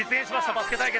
バスケ対決。